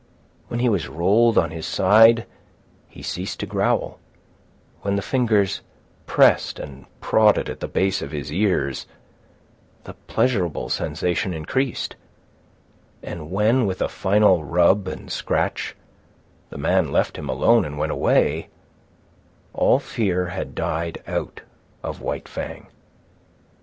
When he was rolled on his side he ceased to growl, when the fingers pressed and prodded at the base of his ears the pleasurable sensation increased; and when, with a final rub and scratch, the man left him alone and went away, all fear had died out of White Fang.